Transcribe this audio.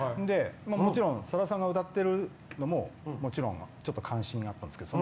もちろんさださんが歌ってるのももちろん、ちょっと関心があったんですけど